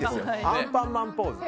アンパンマンポーズ。